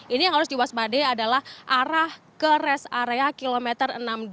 ini yang harus diwaspadai adalah arah ke rest area kilometer enam puluh dua